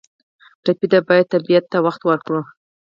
ټپي ته باید طبیعت ته وخت ورکړو.